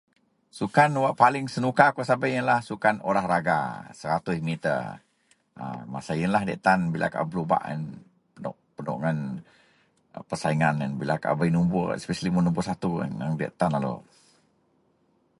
Sukan wak paling senuka kou sabei iyenlah sukan olahraga 100 meta masa iyen lah diyak tan bila kaau belubak penoh pasingan bila kaau bei nobor especially nobor satu. Aneng diyak tan lalu.